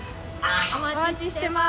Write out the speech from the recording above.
お待ちしてます。